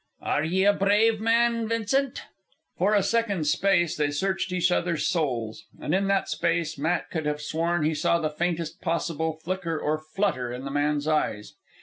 "Are ye a brave man, Vincent?" For a second's space they searched each other's souls. And in that space Matt could have sworn he saw the faintest possible flicker or flutter in the man's eyes.